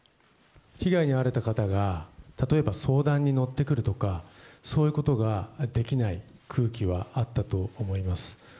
被害に遭われた方が、例えば相談に乗ってくるとか、そういうことができない空気はあったと思います。